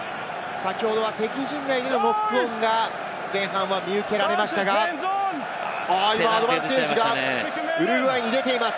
先ほどは敵陣内でのノックオンが前半は見受けられましたが、おっと、今アドバンテージがウルグアイ入れています。